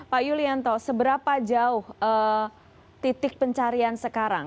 pak yulianto seberapa jauh titik pencarian sekarang